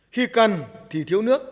khi cân thì thiếu hụt nước ngọt